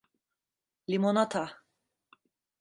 Limonata…